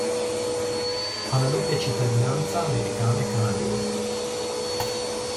Ha una doppia cittadinanza americana e canadese.